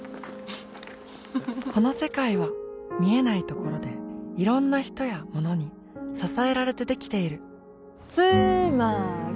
この世界は見えないところでいろんな人やものに支えられてできているつーまーり！